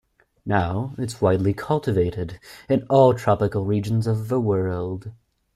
Now, it is widely cultivated in all tropical regions of the world.